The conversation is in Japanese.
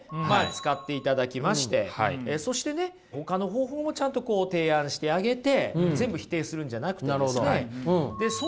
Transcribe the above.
使っていただきましてそしてねほかの方法もちゃんとこう提案してあげて全部否定するんじゃなくてですね。